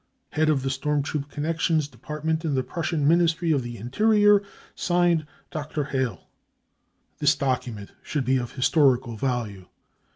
c< Head of the Storm Troop Connections Depart ment in the Prussian Ministry of the Interior. " {signed) Dr. Heyl." This document should be of historical value.